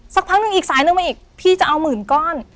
สักพักหนึ่งอีกสายนึงมาอีกพี่จะเอาหมื่นก้อน